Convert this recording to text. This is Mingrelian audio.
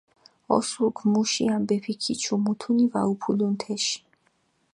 ოსურქ მუში ამბეფი ქიჩუ, მუთუნი ვაუფულუნ თეში.